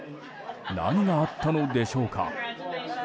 何があったのでしょうか。